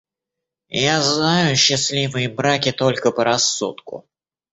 Я знаю счастливые браки только по рассудку.